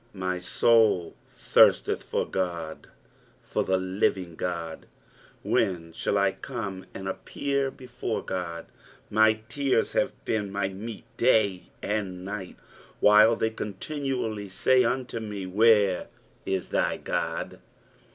2 My soul thirsteth for God, for the living God : when shall I come and appear before God ? 3 My tears have been my meat day and night, while they continually say unto me, Where is thy God